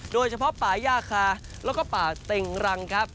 โดยเฉพาะป่าย่าคาแล้วก็ป่าเต็งรังครับ